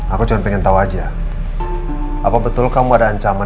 aku cuma pengen tau aja